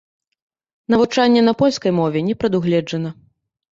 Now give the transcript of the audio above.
Навучанне на польскай мове не прадугледжана.